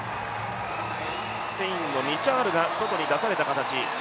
スペインのミチャールが外に出された形。